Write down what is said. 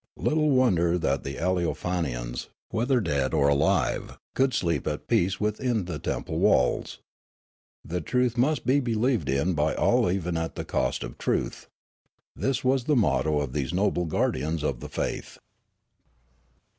Little wonder that the Aleofanians, whether dead or alive, could sleep at peace within the temple walls !'' The truth must be believed in by all even at the cost of truth "; this was the motto of these noble guardians of the faith.